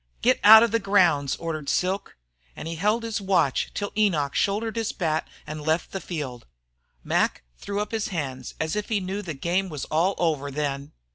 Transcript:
"Get out of the grounds!" ordered Silk. And he held his watch till Enoch shouldered his bat and left the field. Mac threw up his hands as if he knew the game was all over then.